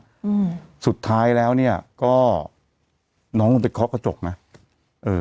อืมสุดท้ายแล้วเนี้ยก็น้องลงไปเคาะกระจกนะเออ